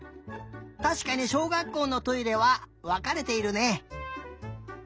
たしかにしょうがっこうのトイレはわかれているね。